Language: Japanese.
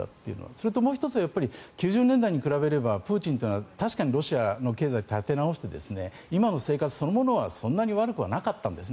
それともう１つは９０年代に比べればプーチンというのは確かにロシアの経済を立て直して今の生活そのものはそんなに悪くはなかったんです。